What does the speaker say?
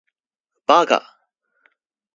八嘎！